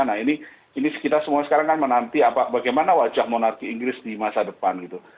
nah ini kita semua sekarang kan menanti bagaimana wajah monarki inggris di masa depan gitu